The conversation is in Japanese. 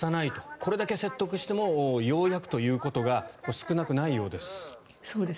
これだけ説得してもようやくということが少なくないようです。